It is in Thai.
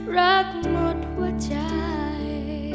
รักหมดหัวใจ